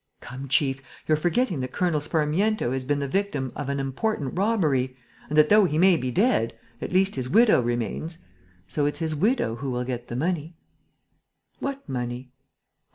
"Come, chief, you're forgetting that Colonel Sparmiento has been the victim of an important robbery and that, though he may be dead, at least his widow remains. So it's his widow who will get the money." "What money?"